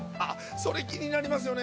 それ気になりますよね。